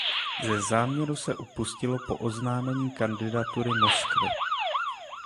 Ze záměru se upustilo po oznámení kandidatury Moskvy.